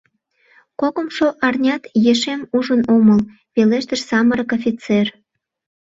Кокымшо арнят ешем ужын омыл, — пелештыш самырык офицер.